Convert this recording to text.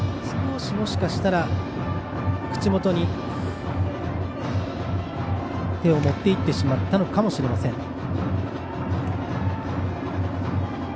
少し、もしかしたら口元に手を持っていってしまったのかもしれません。